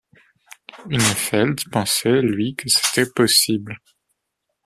Hünefeld pensait, lui, que c’était possible.